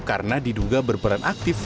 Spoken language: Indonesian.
karena diduga berperan aktif